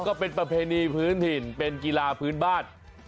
ก็เป็นประเพณีพื้นถิ่นเป็นกีฬาพื้นบ้าน